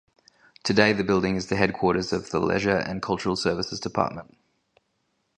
Today the building is the headquarters of the Leisure and Cultural Services Department.